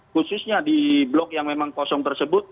khususnya di blok yang memang kosong tersebut